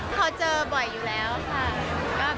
เขาเจอบ่อยอยู่แล้วค่ะ